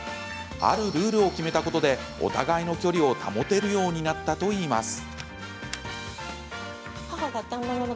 あるルールを決めたことでお互いの距離を保てるようになったといいます。